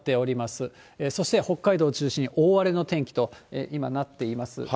そして北海道中心に大荒れの天気と今、なっています。